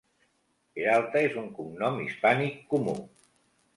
Peralta és un cognom hispànic comú.